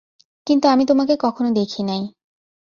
কিন্তু আমি তোমাকে কখনো দেখি নাই।